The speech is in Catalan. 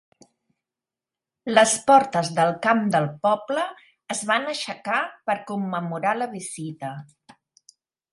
Les portes del camp del poble es van aixecar per commemorar la visita.